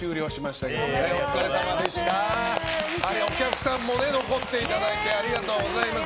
お客さんもね残っていただいてありがとうございます。